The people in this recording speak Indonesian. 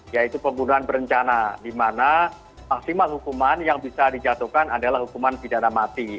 yaitu pembunuhan berencana di mana maksimal hukuman yang bisa dijatuhkan adalah hukuman pidana mati